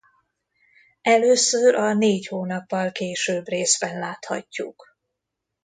Először a Négy hónappal később részben láthatjuk.